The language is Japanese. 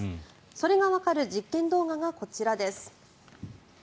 それがわかる実験動画がこちらです。